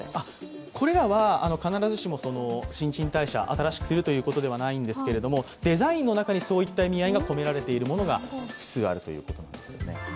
これらは必ずしも新陳代謝、新しくするというものではないんですけどデザインの中にそういった意味合いが込められているものが複数あるということです。